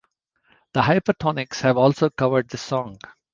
The Hypertonics have also covered this song.